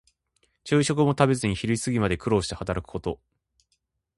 昼食も食べずに昼過ぎまで苦労して働くこと。